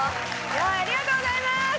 ありがとうございます！